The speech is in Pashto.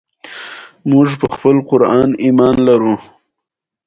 هغه د خپل کار سره مینه لري.